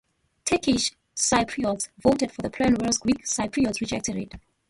Turkish Cypriots voted for the Plan whereas Greek Cypriots rejected it.